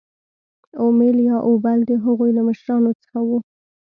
اومیل یا اوبل د هغوی له مشرانو څخه وو.